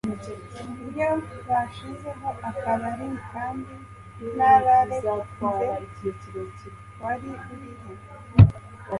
iyo bashizeho akabari kandi nararenze? (wari uri he ??